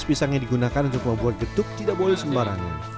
pisang yang digunakan untuk membuat getuk tidak boleh sembarangan